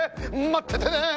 まっててね！